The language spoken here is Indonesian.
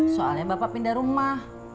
soalnya bapak pindah rumah